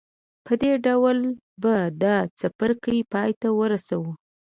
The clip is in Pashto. په دې ډول به دا څپرکی پای ته ورسوو.